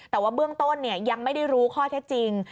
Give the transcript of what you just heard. แต่ว่าเบื้องต้นยังไม่ได้รู้ข้อเท็จจริง